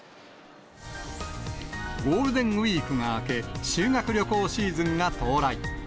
ゴールデンウィークが明け、修学旅行シーズンが到来。